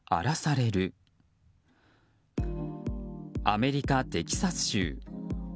アメリカ・テキサス州。